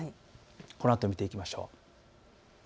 このあと見ていきましょう。